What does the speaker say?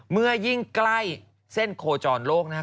เมื่อยิ่งใกล้เส้นโคจรโลกนะครับ